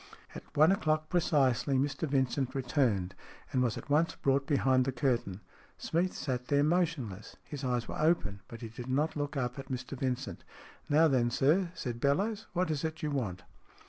At one o'clock precisely Mr Vincent returned, and was at once brought behind the curtain. Smeath sat there motionless. His eyes were open, but he did not look up at Mr Vincent. "Now then, sir," said Bellowes. "What is it you want?"